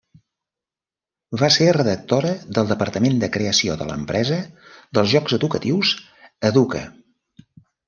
Va ser redactora del departament de creació de l'empresa dels jocs educatius Educa.